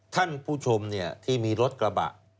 ท่านผู้ชมที่มีรถกระบะ